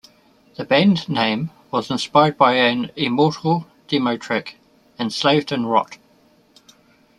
The band name was inspired by an Immortal demo track, Enslaved in Rot.